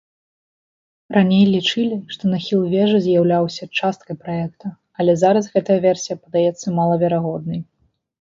Раней лічылі, што нахіл вежы з'яўляўся часткай праекта, але зараз гэтая версія падаецца малаверагоднай.